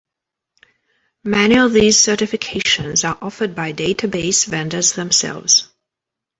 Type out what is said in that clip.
Many of these certifications are offered by database vendors themselves.